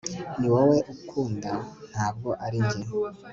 Ni wowe ukunda ntabwo ari njye